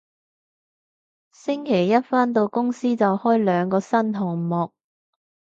星期一返到公司就開兩個新項目